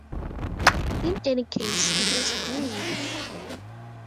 In any case, it was good.